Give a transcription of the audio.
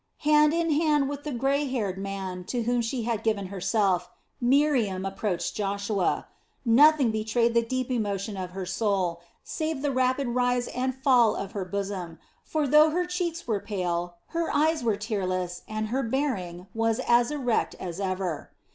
Hand in hand with the grey haired man to whom she had given herself, Miriam approached Joshua. Nothing betrayed the deep emotion of her soul, save the rapid rise and fall of her bosom, for though her cheeks were pale, her eyes were tearless and her bearing was as erect as ever.